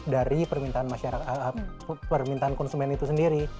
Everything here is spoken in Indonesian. dari permintaan konsumen itu sendiri